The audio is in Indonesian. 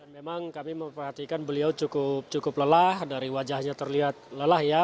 memang kami memperhatikan beliau cukup lelah dari wajahnya terlihat lelah ya